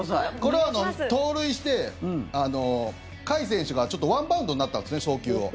これは盗塁して甲斐選手がちょっとワンバウンドになったんですね、送球を。